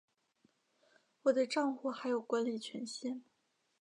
我的帐户还有管理权限